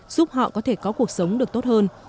giúp họ có thể có cuộc sống được tốt hơn